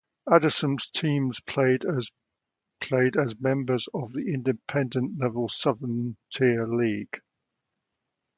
Addison teams played as members of the Independent level Southern Tier League.